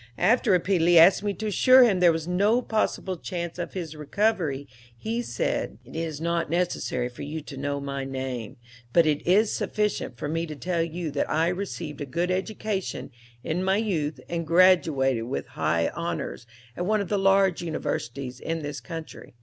After repeatedly asking me to assure him there was no possible chance of his recovery he said: "'It is not necessary for you to know my name, but it is sufficient for me to tell you that I received a good education in my youth and graduated with high honors at one of the large universities in this country.